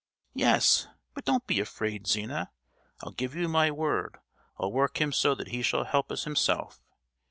"Yes, but don't you be afraid, Zina! I'll give you my word I'll work him so that he shall help us himself.